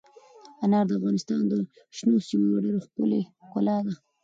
انار د افغانستان د شنو سیمو یوه ډېره ښکلې ښکلا ده.